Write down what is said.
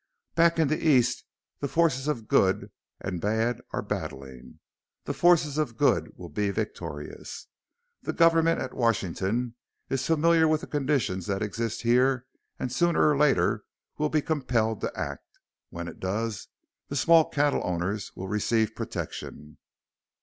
Back in the East the forces of Good and Bad are battling. The forces of Good will be victorious. The government at Washington is familiar with the conditions that exist here and sooner or later will be compelled to act. When it does the small cattle owner will receive protection."